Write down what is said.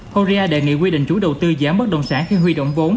horea đề nghị quy định chủ đầu tư dự án bất động sản khi huy động vốn